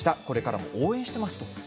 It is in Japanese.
これからも応援していますと。